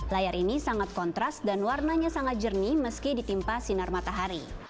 layar ini sangat kontras dan warnanya sangat jernih meski ditimpa sinar matahari